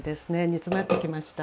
煮詰まってきました。